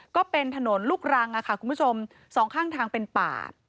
ก็เป็นถนนลูกรังค่ะคุณผู้ชมสองข้างทางเป็นป่า